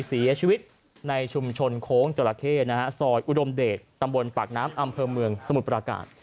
เสียชีวิตในชุมชนโค้งจราเข้นะฮะซอยอุดมเดชตำบลปากน้ำอำเภอเมืองสมุทรปราการ